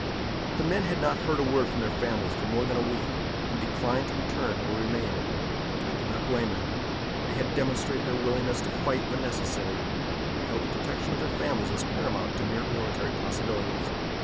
The men had not heard a word from their families for more than a week, and declined to return or remain. I did not blame them. They had demonstrated their willingness to fight when necessary, but held the protection of their families as paramount to mere military possibilities.